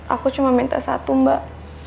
aku cuma minta satu mbak